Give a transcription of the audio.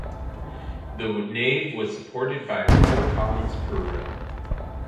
The nave was supported by four columns per row.